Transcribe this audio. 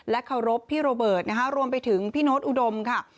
เคารพพี่โรเบิร์ตนะคะรวมไปถึงพี่โน๊ตอุดมค่ะ